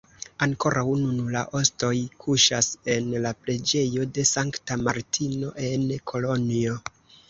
Ankoraŭ nun la ostoj kuŝas en la preĝejo de Sankta Martino en Kolonjo.